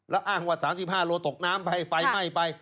แล้วอ้างว่า๓๕โลตกน้ำไปไฟไหม้ไป